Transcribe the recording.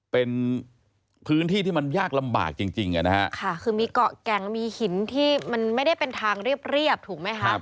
เป็นพื้นที่ที่มันยากลำบากจริงจริงอ่ะนะฮะค่ะคือมีเกาะแก่งมีหินที่มันไม่ได้เป็นทางเรียบถูกไหมครับ